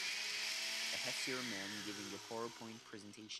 A heftier man giving a powerpoint presentation